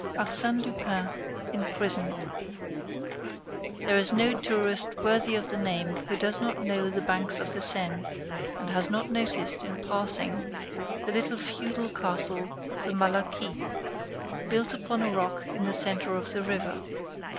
Arsène Lupin in Prison There is no tourist worthy of the name who does not know the banks of the Seine, and has not noticed, in passing, the little feudal castle of the Malaquis, built upon a rock in the centre of the river.